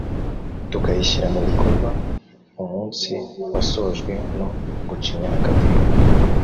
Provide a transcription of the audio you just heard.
tukayishyira mu bikorwa umunsiwasojwe no gucinya akadiho